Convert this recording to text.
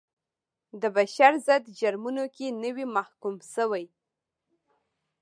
د بشر ضد جرمونو کې نه وي محکوم شوي.